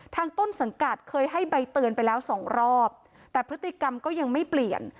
ต้นสังกัดเคยให้ใบเตือนไปแล้วสองรอบแต่พฤติกรรมก็ยังไม่เปลี่ยน